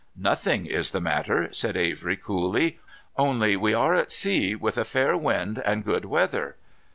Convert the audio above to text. "Nothing is the matter," said Avery coolly; "only we are at sea, with a fair wind and good weather."